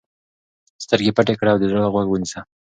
سترګې پټې کړه او د زړه غوږ ونیسه.